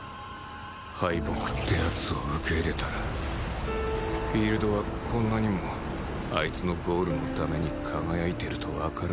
敗北ってやつを受け入れたらフィールドはこんなにもあいつのゴールのために輝いてるとわかるんだな